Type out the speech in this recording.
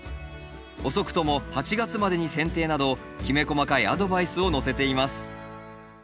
「遅くとも８月までに剪定」などきめ細かいアドバイスを載せています。